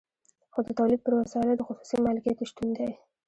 خو د تولید پر وسایلو د خصوصي مالکیت شتون دی